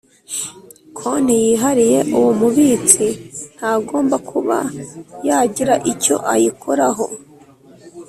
konti yihariye Uwo mubitsi ntagomba kuba yagira icyo ayikoraho